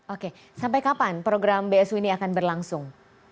oke sampai kapan program bsu ini akan berlangsung